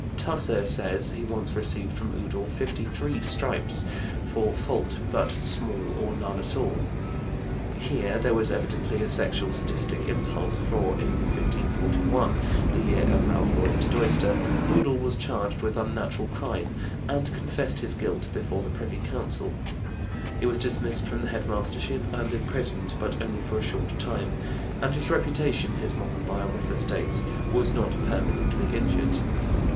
Tusser says he once received from Udall 53 stripes for "fault but small or none at all." Here there was evidently a sexual sadistic impulse, for in 1541 (the year of Ralph Roister Doister) Udall was charged with unnatural crime and confessed his guilt before the Privy Council. He was dismissed from the head mastership and imprisoned, but only for a short time, "and his reputation," his modern biographer states, "was not permanently injured."